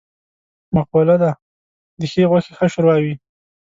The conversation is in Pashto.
مقوله ده: د ښې غوښې ښه شوروا وي.